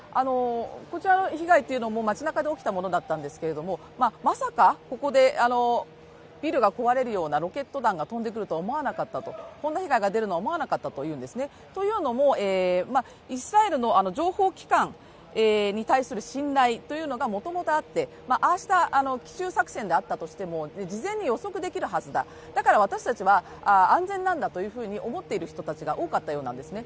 こちらの被害というのも街なかで起きたことなんですけれどもまさか、ビルが壊れるようなロケット弾が飛んでくるとは思わなかった、こんな被害が出るとは思わなかったと言うんですねというのはイスラエルの情報機関に対してもともとあって、ああした奇襲作戦であったとしても事前に予測できるはずだ、だから私たちは安全なんだと思っている人たちが多かったようなんですね。